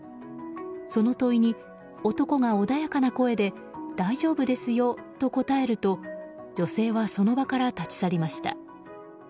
その問いに、男が穏やかな声で大丈夫ですよと答えると女性はその場から立ち去りました。